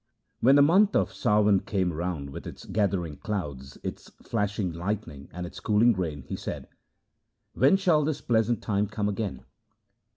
When the month of Sawan came round with its gathering clouds, its flashing lightning, and its cooling rain, he said, ' When shall this pleasant time come again